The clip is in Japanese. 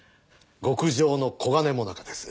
極上の黄金最中です。